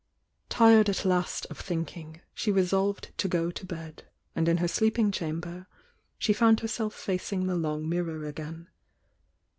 Tired at last of thinking, she resolved to go to bed, and in her sleeping chamber, she found herself facing the long mirror again.